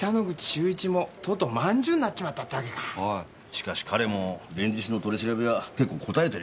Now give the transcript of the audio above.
しかし彼も連日の取り調べは結構堪えてるようですねぇ。